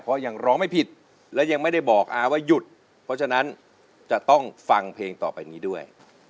เพราะยังร้องไม่ผิดและยังไม่ได้บอกอาว่าหยุดเพราะฉะนั้นจะต้องฟังเพลงต่อไปนี้ด้วย